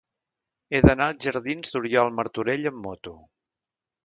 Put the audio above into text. He d'anar als jardins d'Oriol Martorell amb moto.